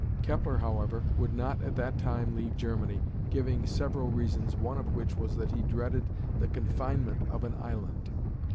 Kepler, however, would not at that time leave Germany, giving several reasons, one of which was that he dreaded the confinement of an island.